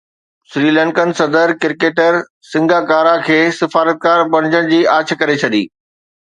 Sri Lankan صدر cricketer Sangakkara کي سفارتڪار بڻجڻ جي آڇ ڪري ڇڏي